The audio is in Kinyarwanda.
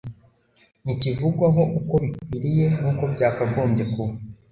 ntikivugwaho uko bikwiriye n’uko byakagombye kuba.